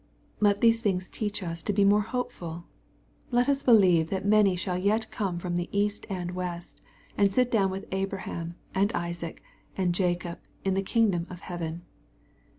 Let these things teach us to be more hopeful. Let us believe that many shall yet come from the east and west, and sit down with Abraham, and Isaac, and Jacob, in the kingdom of heaven.